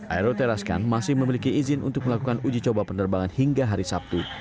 aeroteraskan masih memiliki izin untuk melakukan uji coba penerbangan hingga hari sabtu